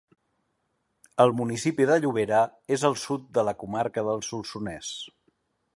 El municipi de Llobera és al sud de la comarca del Solsonès.